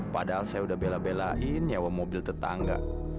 padahal saya udah bela belain nyewa mobil tetangga